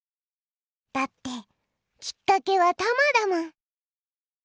だってきっかけはたまだもん！